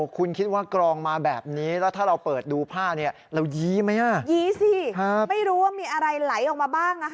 คุณคิดว่ากรองมาแบบนี้แล้วถ้าเราเปิดดูผ้าเนี่ยเรายี้ไหมยี้สิไม่รู้ว่ามีอะไรไหลออกมาบ้างนะคะ